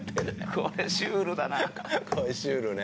これシュールね。